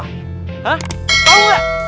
hah tau gak